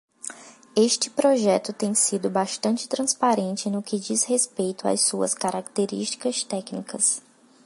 Este projeto tem sido bastante transparente no que diz respeito às suas características técnicas.